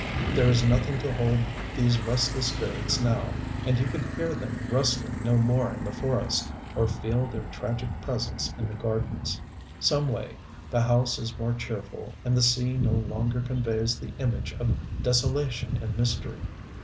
There is nothing to hold these restless spirits now, and you can hear them rustling no more in the forest, or feel their tragic presence in the gardens. Some way, the house is more cheerful, and the sea no longer conveys the image of desolation and mystery.